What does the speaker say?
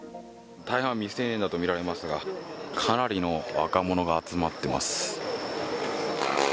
大半は未成年だとみられますがかなりの若者が集まっています。